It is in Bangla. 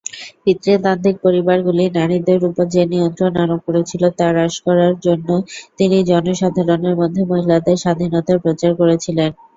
পিতৃতান্ত্রিক পরিবারগুলি নারীদের উপর যে নিয়ন্ত্রণ আরোপ করেছিল তা হ্রাস করার জন্য তিনি জনসাধারণের মধ্যে মহিলাদের স্বাধীনতার প্রচার করেছিলেন।